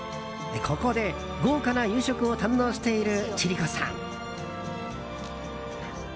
ここで、豪華な夕食を堪能している千里子さん。